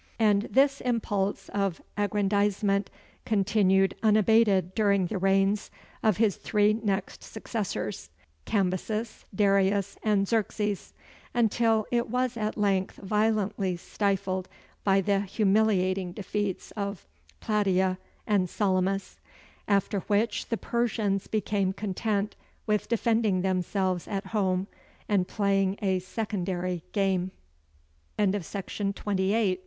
And this impulse of aggrandizement continued unabated during the reigns of his three next successors Cambyses, Darius, and Xerxes until it was at length violently stifled by the humiliating defeats of Platæa and Salamis; after which the Persians became content with defending themselves at home and playing a secondary game. RISE OF CONFUCIUS, THE CHINESE SAGE B.C.